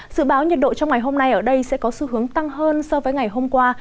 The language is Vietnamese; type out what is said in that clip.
dự báo nhiệt độ trong ngày hôm nay ở đây sẽ có xu hướng tăng hơn so với ngày hôm qua